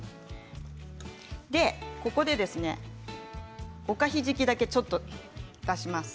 ここで、おかひじきだけちょっと出します。